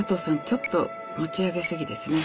ちょっと持ち上げ過ぎですね。